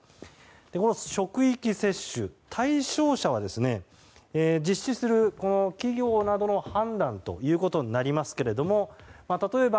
この職域接種、対象者は実施する企業などの判断ということになりますが例えば、